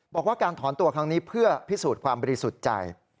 บอกว่าการถอนตัวครั้งนี้เพื่อพิสูจน์ความบริสุทธิ์ใจ